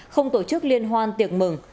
không tổ chức liên hoan tiệc mừng